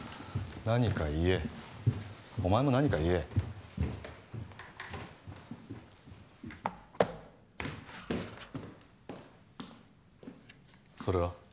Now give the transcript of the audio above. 何か言えお前も何か言えそれは？